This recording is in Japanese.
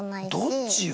どっちよ？